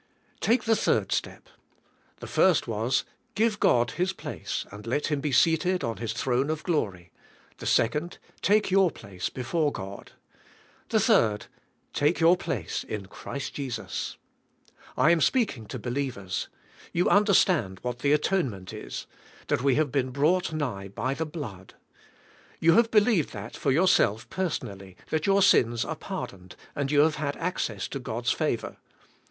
Take the third step. The first was: g ive God His place and let Him be seated on His throne of glory; the second: take your place before God. The third: take your place in Christ Jesus. I am speak ing to believers. You understand what the atone ment is; that we have been brought nigh by the blood. You have believed that for yourself person ally, that your sins are pardoned and you have had access to God's favor.